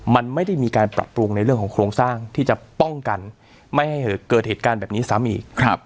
มันไม่ได้มีการปรับปรุงในเรื่องของโครงสร้างที่จะป้องกันไม่ให้เกิดเหตุการณ์แบบนี้ซ้ำอีก